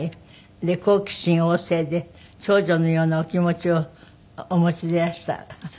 で好奇心旺盛で少女のようなお気持ちをお持ちでいらした橋田さん。